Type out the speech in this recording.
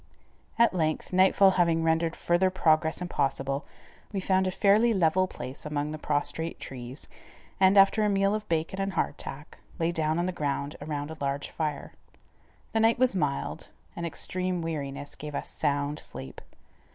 At length, nightfall having rendered farther progress impossible, we found a fairly level place among the prostrate trees, and, after a meal of bacon and hard tack, lay down on the ground around a large fire. The night was mild, and extreme weariness gave us sound sleep.